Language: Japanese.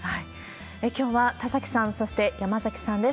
きょうは田崎さん、そして山崎さんです。